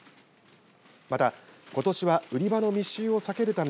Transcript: また、ことしは売り場の密集を避けるため